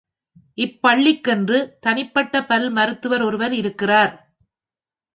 இப் பள்ளிக்கென்று தனிப்பட்ட பல் மருத்துவர் ஒருவர் இருக்கிறார்.